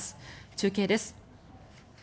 中継です。